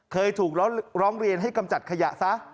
เคยถูกร้องเรียนให้กำจัดขยะซะ